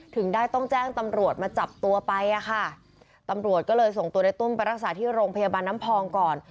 ถึงได้ต้องแจ้งตำรวจมาจับตัวไปอ่ะค่ะตำรวจก็เลยส่งตัวในตุ้มไปรักษาที่โรงพยาบาลน้ำพองก่อน